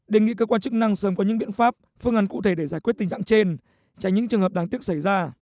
đề nghị cơ quan chức năng sớm có những biện pháp phương án cụ thể để giải quyết tình trạng trên tránh những trường hợp đáng tiếc xảy ra